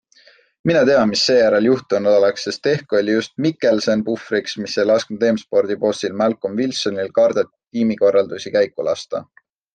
Mine tea, mis seejärel juhtunud oleks, sest ehk oli just Mikkelsen puhvriks, mis ei lasknud M-Spordi bossil Malcolm Wilsonil kardetud tiimikorraldusi käiku lasta.